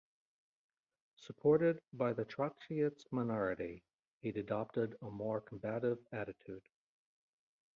Supported by the Trotskyist minority, he adopted a more combative attitude.